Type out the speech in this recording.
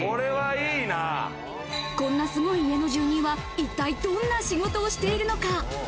こんなすごい家の住人は一体どんな仕事をしているのか？